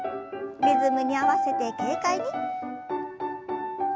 リズムに合わせて軽快に。